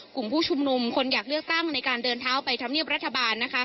กลุ่มผู้ชุมนุมคนอยากเลือกตั้งในการเดินเท้าไปทำเนียบรัฐบาลนะคะ